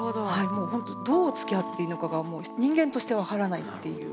もうほんとどうつきあっていいのかが人間として分からないっていう。